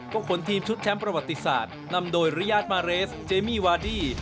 ก็ขนทีมชุดแชมป์ประวัติศาสตร์นำโดยริยาทมาเรสเจมี่วาดี้